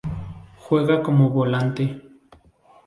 Juega como volante.